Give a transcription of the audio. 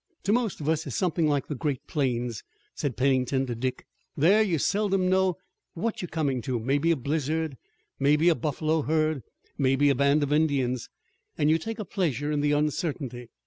"To most of us it's something like the great plains," said Pennington to Dick. "There you seldom know what you're coming to; maybe a blizzard, maybe a buffalo herd, and maybe a band of Indians, and you take a pleasure in the uncertainty.